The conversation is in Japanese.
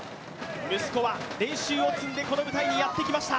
息子は練習を積んでこの舞台にやってきました。